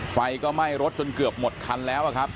ไฟก็ไหม้รถจนเกือบหมดคันแล้วครับ